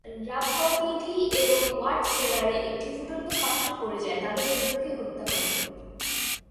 রাব্বাতিটি এবং ওয়াট সেলারে একটি ফুটন্ত পাত্রে পড়ে যায়, তাদের দুজনকেই হত্যা করে।